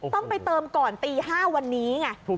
ต้องไปเติมก่อนตี๕วันนี้ไง